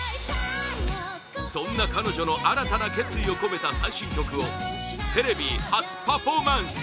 そんな彼女の新たな決意を込めた最新曲をテレビ初パフォーマンス！